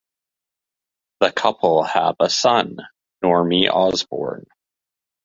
The couple have a son, Normie Osborn.